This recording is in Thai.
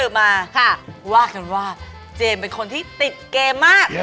มาว่ากันว่าเจมส์เป็นคนที่ติดเกมมาก